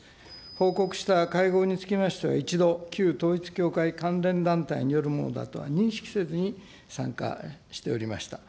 報告した会合につきましては、一度、旧統一教会関連団体によるものだとは認識せずに参加しておりました。